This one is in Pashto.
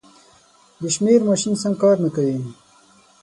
د شمېر ماشین سم کار نه کوي.